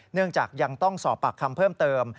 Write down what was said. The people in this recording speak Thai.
เนื่องจากยังต้องสอบปากคำเพิ่มเติม